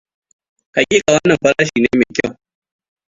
Hakika wannan farashi ne mai kyau.